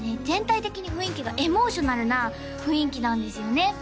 全体的に雰囲気がエモーショナルな雰囲気なんですよね